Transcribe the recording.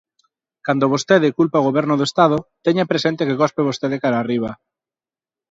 Cando vostede culpa o Goberno do Estado, teña presente que cospe vostede cara arriba.